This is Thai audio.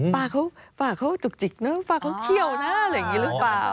ปลาเขาจุกจิกปลาเขาเขี้ยวหน้าอะไรแบบนี้หรือเปล่า